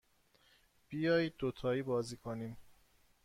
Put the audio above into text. بیایید دوتایی بازی کنیم.